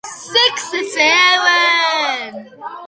six seven